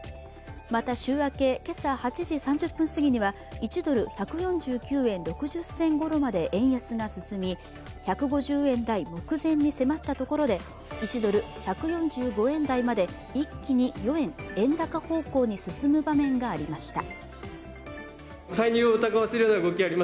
また、週明け、今朝８時３０分すぎには１ドル＝１４９円６０銭ごろまで円安が進み１５０円台目前に迫ったところで１ドル＝１４５円台まで一気に４円円高方向に進む場面がありました。